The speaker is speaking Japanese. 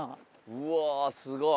うわあすごい！